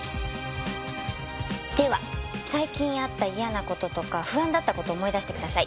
では最近あった嫌な事とか不安だった事を思い出してください。